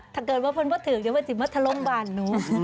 ถ้าเกิดว่าเพื่อนพ่อถือกเดี๋ยวว่าจะมาทะลงบ้านหนู